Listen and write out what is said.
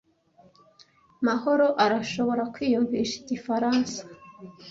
Mahoro arashobora kwiyumvisha igifaransa.